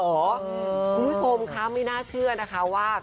คุณผู้ชมคะไม่น่าเชื่อนะคะว่า